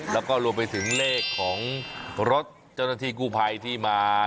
แล้วก็รวมไปถึงเลขของรถเจ้าหน้าที่กู้ภัยที่มา